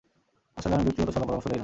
আসলে, আমি ব্যক্তিগত শলাপরামর্শ দেই না।